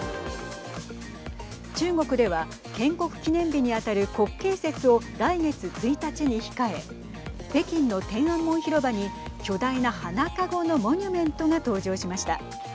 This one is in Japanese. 中国では建国記念日に当たる国慶節を来月１日に控え北京の天安門広場に巨大な花籠のモニュメントが登場しました。